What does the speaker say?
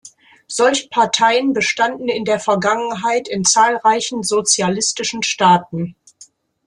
Solche Parteien bestanden in der Vergangenheit in zahlreichen sozialistischen Staaten.